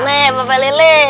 nih bapak lili